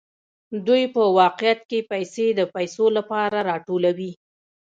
دوی په واقعیت کې پیسې د پیسو لپاره راټولوي